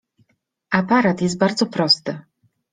Aparat jest bardzo prosty.